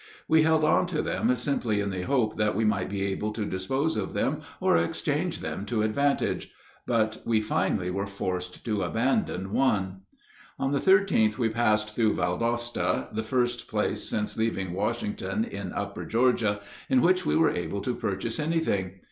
We held on to them simply in the hope that we might be able to dispose of them or exchange them to advantage; but we finally were forced to abandon one. On the 13th we passed through Valdosta, the first place since leaving Washington, in upper Georgia, in which we were able to purchase anything.